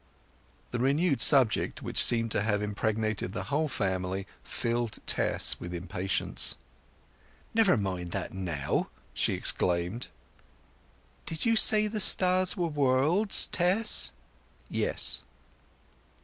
The renewed subject, which seemed to have impregnated the whole family, filled Tess with impatience. "Never mind that now!" she exclaimed. "Did you say the stars were worlds, Tess?" "Yes."